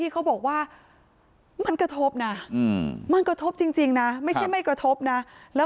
เขาก็กระทบเหมือนกันนะคะ